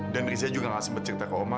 dan riza juga gak sempat cerita ke oma